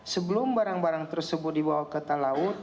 sebelum barang barang tersebut dibawa ke talaut